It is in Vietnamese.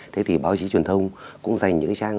thế thì báo chí truyền thông cũng dành những cái trang